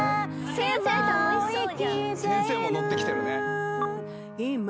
・先生も乗ってきてるね。